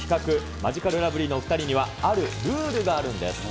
マヂカルラブリーのお２人にはあるルールがあるんです。